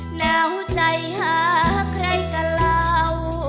หนาวใจหาใครกับเรา